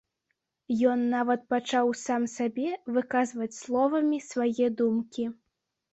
Ён нават пачаў сам сабе выказваць словамі свае думкі.